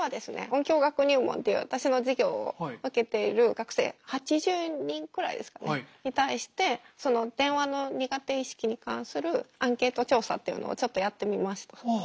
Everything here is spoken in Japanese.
音響学入門っていう私の授業を受けている学生８０人くらいですかねに対して電話の苦手意識に関するアンケート調査っていうのをちょっとやってみました。